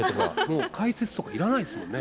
もう解説とかいらないですもんね。